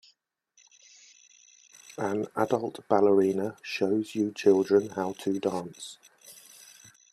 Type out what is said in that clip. An adult ballerina shows you children how to dance.